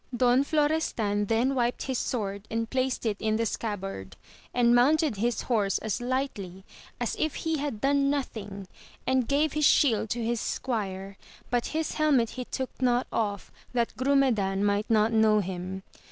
Don Florestan then wiped his sword and placed it in the scabbard, and mounted his horse as lightly as if he had done nothing, and gave his shield to his squire, but his helmet he took not off that Grumedan might AMADIS OF GAUL, 9 not know him.